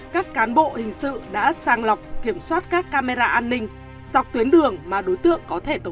các cán bộ hình sự đã sàng lọc kiểm soát các camera an ninh dọc tuyến đường mà đối tượng có thể tẩu thoát